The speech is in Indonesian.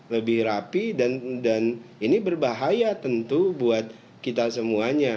lebih rapi dan ini berbahaya tentu buat kita semuanya